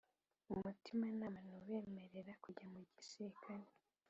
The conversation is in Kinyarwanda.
umutimanama ntubemerera kujya mu gisirikare.